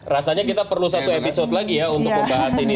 rasanya kita perlu satu episode lagi ya untuk membahas ini